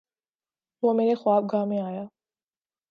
وہ میرے خواب گاہ میں آیا